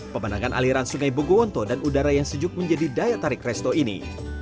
pemandangan aliran sungai bogowonto dan udara yang sejuk menjadi daya tarik resto ini